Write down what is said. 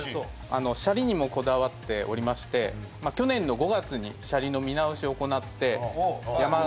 シャリにもこだわっておりまして去年の５月にシャリの見直しを行って。